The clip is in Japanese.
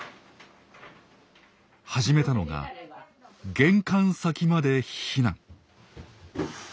始めたのが“玄関先まで避難”。